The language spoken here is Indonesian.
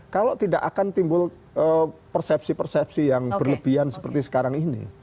kalau tidak akan timbul persepsi persepsi yang berlebihan seperti sekarang ini